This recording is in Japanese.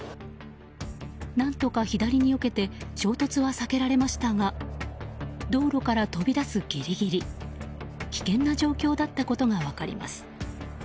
何とか左によけて衝突は避けられましたが道路から飛び出すギリギリ危険な状況だったことが分かります。